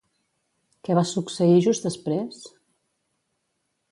Què va succeir just després?